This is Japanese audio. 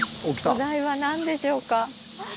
お題は何でしょうか。